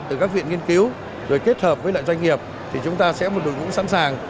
từ các viện nghiên cứu rồi kết hợp với lại doanh nghiệp thì chúng ta sẽ một đội ngũ sẵn sàng